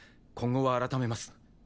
今後は改めます。